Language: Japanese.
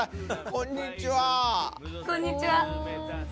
こんにちは！